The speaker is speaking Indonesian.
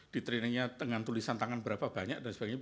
di trainingnya dengan tulisan tangan berapa banyak dan sebagainya